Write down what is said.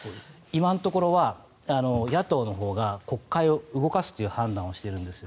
今のところは野党のほうが国会を動かすという判断をしているんです。